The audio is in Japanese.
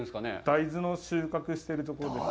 大豆の収穫しているところです。